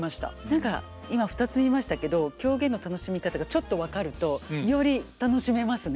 何か今２つ見ましたけど狂言の楽しみ方がちょっと分かるとより楽しめますね。